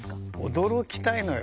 驚きたいのよ。